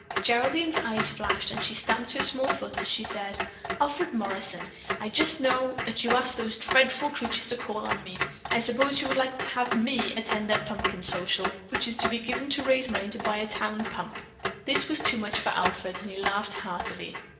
Geraldine's eyes flashed and she stamped her small foot as she said: "Alfred Morrison, I just know that you asked those dreadful creatures to call on me. I suppose you would like to have me attend their Pumpkin Social, which is to be given to raise money to buy a town pump." This was too much for Alfred and he laughed heartily.